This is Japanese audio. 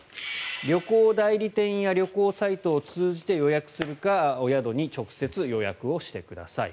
旅行代理店や旅行サイトを通じて予約するか宿に直接予約してください。